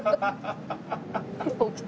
起きた。